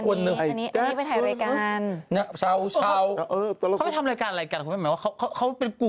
เขาก็ไปทำรายการก็แบบเขาเป็นกลุ่ม